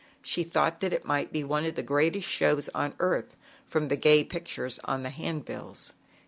She thought that it must be one of the greatest shows on earth, from the gay pictures on the hand bills.